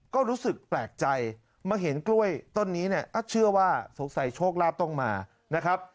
ก็รู้สึกแปลกใจมาเห็นกล้วยต้นนี้เนี่ยเชื่อว่าสงสัยโชคลาภต้องมานะครับ